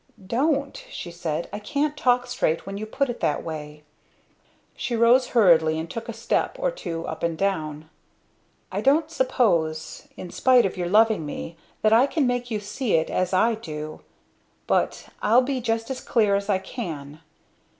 "Don't!" she said. "I can't talk straight when you put it that way." She rose hurriedly and took a step or two up and down. "I don't suppose in spite of your loving me, that I can make you see it as I do. But I'll be just as clear as I can.